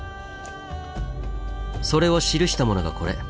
それを記したものがこれ。